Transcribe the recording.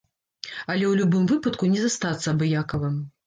Але ў любым выпадку не застацца абыякавым.